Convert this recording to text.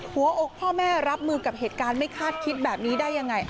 หัวอกพ่อแม่รับมือกับเหตุการณ์ไม่คาดคิดแบบนี้ได้ยังไง